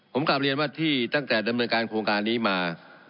ผมกลับเรียนว่าที่ตั้งแต่ดำเนินการโครงการนี้มา